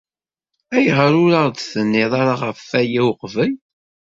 Ayɣer ur aɣ-d-tenniḍ ɣef waya uqbel?